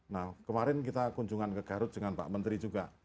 nah kemarin kita kunjungan ke garut dengan pak menteri juga